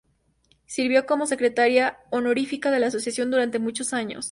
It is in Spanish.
Sirvió como secretaria honorífica de la Asociación durante muchos años.